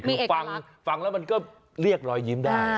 คือฟังแล้วมันก็เรียกรอยยิ้มได้